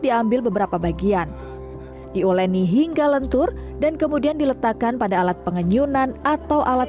diambil beberapa bagian diuleni hingga lentur dan kemudian diletakkan pada alat pengenyunan atau alat